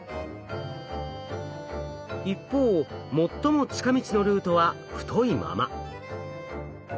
一方最も近道のルートは太いまま。